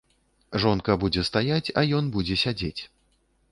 Жонка будзе стаяць, а ён будзе сядзець.